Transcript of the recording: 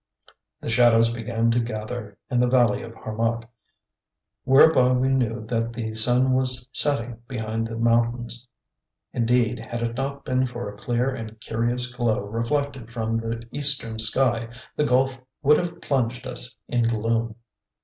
The shadows began to gather in the Valley of Harmac, whereby we knew that the sun was setting behind the mountains. Indeed, had it not been for a clear and curious glow reflected from the eastern sky, the gulf would have plunged us in gloom.